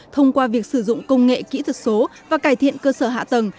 thông qua việc sử dụng công nghệ kỹ thuật số và cải thiện cơ sở hạ tầng